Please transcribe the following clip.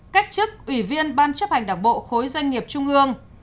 cách chức ủy viên ban chấp hành đảng bộ khối doanh nghiệp trung ương